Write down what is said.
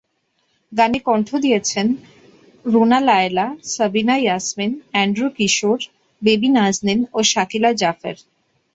গানে কণ্ঠ দিয়েছেন রুনা লায়লা, সাবিনা ইয়াসমিন, এন্ড্রু কিশোর, বেবী নাজনীন ও শাকিলা জাফর।